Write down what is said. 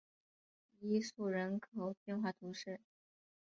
伊叙人口变化图示